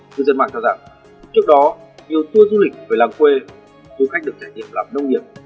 cư dân mạng cho rằng trước đó nhiều tour du lịch về làng quê du khách được trải nghiệm làm nông nghiệp